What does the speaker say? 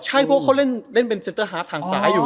ใช่เพราะว่าเขาเล่นเป็นเซ็นเตอร์ฮาร์ดทางซ้ายอยู่